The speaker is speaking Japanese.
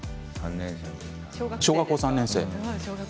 小学校３年生。